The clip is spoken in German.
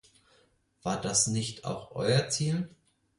War das nicht auch euer Ziel?